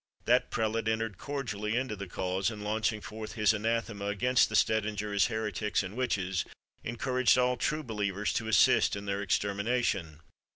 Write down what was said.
That prelate entered cordially into the cause, and launching forth his anathema against the Stedinger as heretics and witches, encouraged all true believers to assist in their extermination.